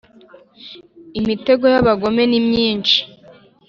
imitego y’abagome ni myinshi